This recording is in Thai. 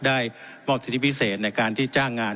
ได้มอบสิทธิพิเศษในการที่จ้างงาน